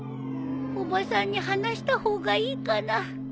おばさんに話した方がいいかな